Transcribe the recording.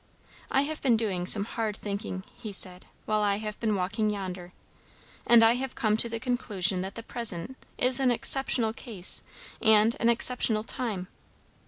"I have been doing some hard thinking," he said, "while I have been walking yonder; and I have come to the conclusion that the present is an exceptional case and an exceptional time.